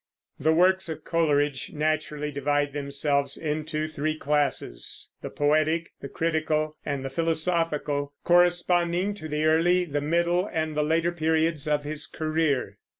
The works of Coleridge naturally divide themselves into three classes, the poetic, the critical, and the philosophical, corresponding to the early, the middle, and the later periods of his career.